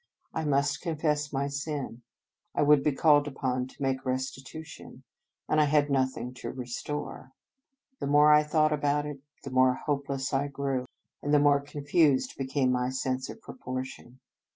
I must confess my sin, I would be called upon to make restitution, and I had nothing to restore. The more I thought about it, the more hopeless I grew, and the 100 In Retreat more confused became my sense of proportion.